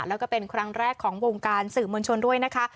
แล้วก็เป็นครั้งแรกของวงการสื่อมวลชนด้วยนะคะ